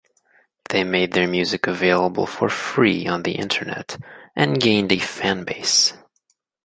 They made their music available for free on the internet and gained a fan-base.